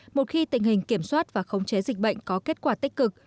một khi tình hình kiểm soát và khống chế dịch bệnh có kết quả tích cực